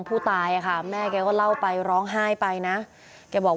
นานยังคะที่ยิงขู่กัน